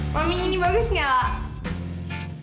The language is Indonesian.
mami ini bagus gak